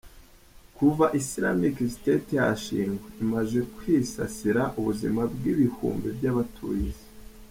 Kuva Islamic State yashingwa, imaze kwisasira ubuzima bw’ibihumbi by’abatuye Isi.